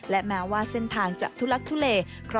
และแม้ว่าเส้นทางจะทุลักทุเล